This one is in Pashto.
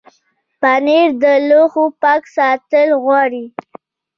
پنېر د لوښو پاک ساتل غواړي.